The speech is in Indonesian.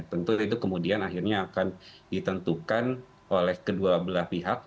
tentu itu kemudian akhirnya akan ditentukan oleh kedua belah pihak